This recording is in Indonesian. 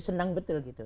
senang betul gitu